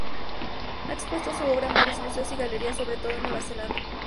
Ha expuesto su obra en varios museos y galerías sobre todo de Nueva Zelanda.